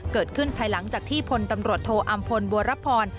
ภายหลังจากที่พลตำรวจโทอำพลบัวรพร